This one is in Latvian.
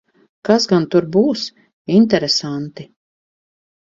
Kas gan tur būs? Interesanti.